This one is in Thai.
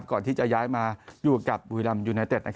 ก่อนที่จะย้ายมาอยู่กับบุรีรัมยูไนเต็ด